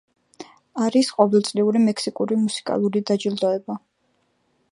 არის ყოვეწლიური მექსიკური მუსიკალური დაჯილდოება.